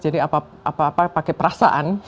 jadi apa apa pakai perasaan